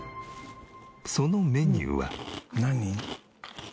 そのメニューは。何？